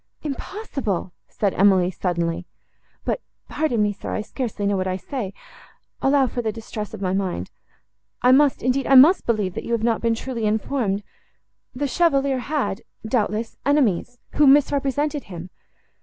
"Impossible!" said Emily suddenly; "but—pardon me, sir, I scarcely know what I say; allow for the distress of my mind. I must, indeed, I must believe, that you have not been truly informed. The Chevalier had, doubtless, enemies, who misrepresented him."